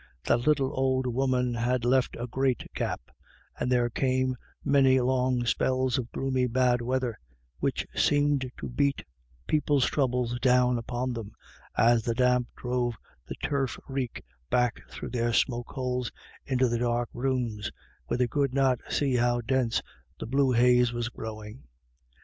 That little old woman had left a great gap, and there came many long spells of gloomy, bad weather, which seemed to beat people's troubles down upon them as the damp drove the turf reek back through their smoke holes into the dark rooms, where they could not see how • dense the blue haze was growing.